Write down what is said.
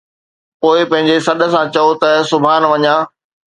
پوءِ، پنهنجي سڏ سان، چئو ته، ”سبحان وڃان.